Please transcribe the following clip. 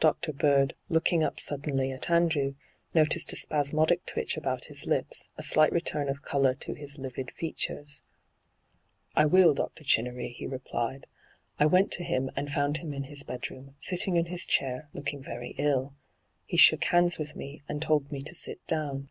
Dr. Bird, looking up suddenly at Andrew, noticed a spasmodic 5—2 n,aN, .^hyG00glc 68 ENTRAPPED twitch about his lips, a slight return of colour to his livid features. ' I will, Dr. Chinneiy,' he replied. ' I went to him, and found him in his bedroom, sitting in his chair, looking very ill. He shook hands with me, and told me to sit down.